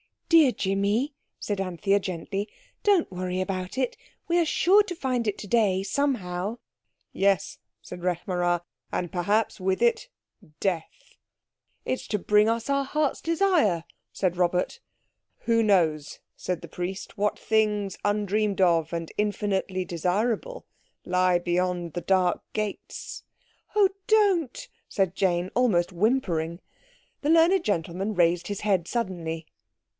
"Dear Jimmy," said Anthea gently, "don't worry about it. We are sure to find it today, somehow." "Yes," said Rekh marā, "and perhaps, with it, Death." "It's to bring us our hearts' desire," said Robert. "Who knows," said the Priest, "what things undreamed of and infinitely desirable lie beyond the dark gates?" "Oh, don't," said Jane, almost whimpering. The learned gentleman raised his head suddenly.